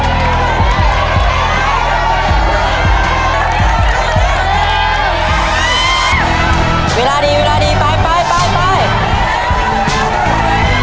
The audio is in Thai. สีเขียวสีเขียวนะครับไปเลยไปเลยพอแล้วแดงพอแล้ว